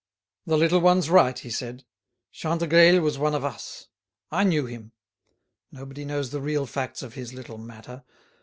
"The little one's right," he said. "Chantegreil was one of us. I knew him. Nobody knows the real facts of his little matter.